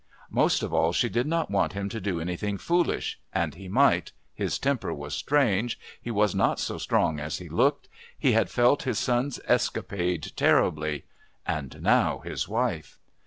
Most of all, she did not want him to do anything foolish and he might, his temper was strange, he was not so strong as he looked; he had felt his son's escapade terribly and now his wife!